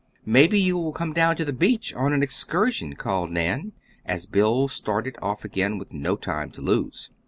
"Maybe you will come down to the beach on an excursion," called Nan, as Bill started off again with no time to lose.